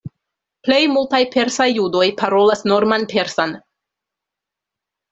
Plej multaj persaj judoj parolas norman persan.